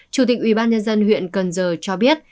chủ tịch ubnd huyện cần giờ cho biết